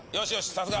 さすが。